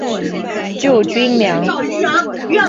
救军粮